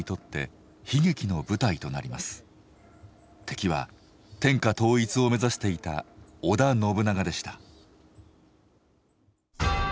敵は天下統一を目指していた織田信長でした。